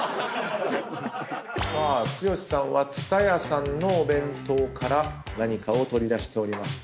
剛さんは津多屋さんのお弁当から何かを取り出しております。